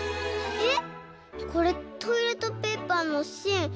えっ！